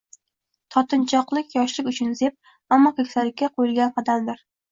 Tortinchoqlik yoshlik uchun zeb, ammo keksalikka qo’yilgan qadamdir.